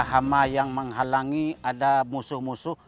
hama yang menghalangi ada musuh musuh